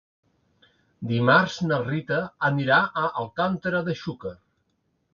Dimarts na Rita anirà a Alcàntera de Xúquer.